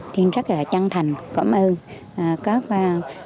trang rất chân thành cảm ơn các anh em lực lượng